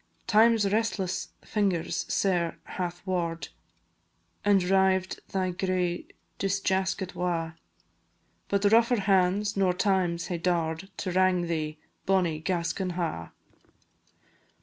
Time's restless fingers sair hath waur'd And rived thy gray disjaskit wa', But rougher hands nor Time's hae daur'd To wrang thee, bonnie Gascon Ha'!